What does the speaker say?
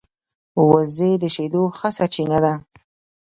وزې د شیدو ښه سرچینه ده